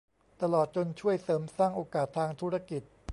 ตลอดจนช่วยเสริมสร้างโอกาสทางธุรกิจ